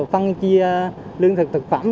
phân chia lương thực thực phẩm